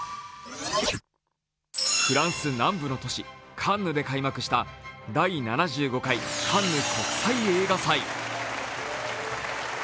フランス南部の都市・カンヌで開幕した第７５回カンヌ国際映画祭。